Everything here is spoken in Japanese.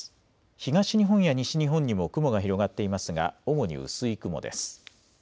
東日本や西日本にも雲が広がっていますが主に薄い雲です。